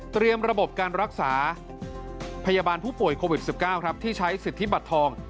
ระบบการรักษาพยาบาลผู้ป่วยโควิด๑๙ที่ใช้สิทธิบัตรทอง